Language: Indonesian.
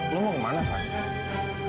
lo mau kemana van